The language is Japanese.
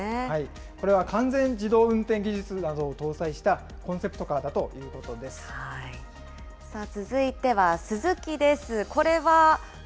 これは完全自動運転技術などを搭載したコンセプトカーだとい続いてはスズキです。